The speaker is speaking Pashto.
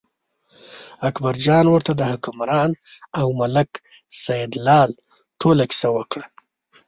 اکبرجان ورته د حکمران او ملک سیدلال ټوله کیسه وکړه.